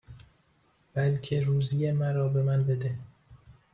بلکه روزی مرا به من بده